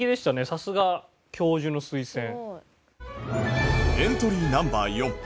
さすが教授の推薦。